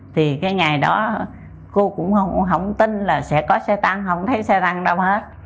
thì cái ngày đó cô cũng không tin là sẽ có xe tan không thấy xe tăng đâu hết